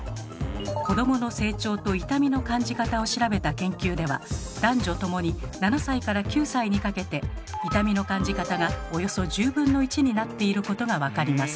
子どもの成長と痛みの感じ方を調べた研究では男女共に７歳から９歳にかけて痛みの感じ方がおよそ１０分の１になっていることが分かります。